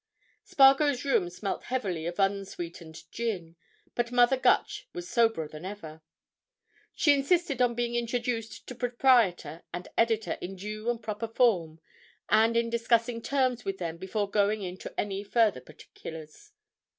Spargo's room smelt heavily of unsweetened gin, but Mother Gutch was soberer than ever. She insisted upon being introduced to proprietor and editor in due and proper form, and in discussing terms with them before going into any further particulars.